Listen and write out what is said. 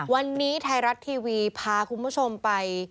วันนี้ไทยรัฐทีวีพาคุณผู้ชมไป